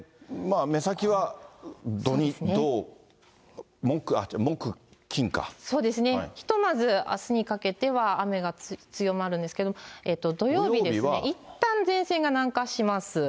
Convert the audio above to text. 目先は木、そうですね、ひとまずあすにかけては、雨が強まるんですけれども、土曜日はいったん、前線が南下します。